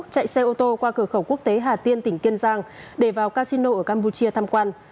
chạy xe ô tô qua cửa khẩu quốc tế hà tiên tỉnh kiên giang để vào casino ở campuchia tham quan